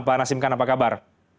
pak nasim khan apa kabar